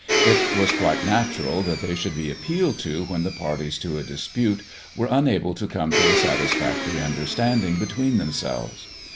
It was quite natural that they should be appealed to when the parties to a dispute were unable to come to a satisfactory understanding between themselves.